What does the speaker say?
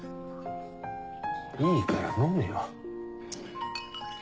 いいから飲めよ。